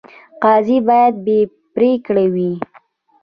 قاضي باید بې پرې وي